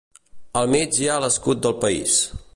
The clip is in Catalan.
Al mig hi ha l'escut del país.